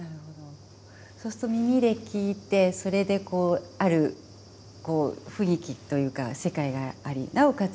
そうすると耳で聞いてそれでこうある雰囲気というか世界がありなおかつ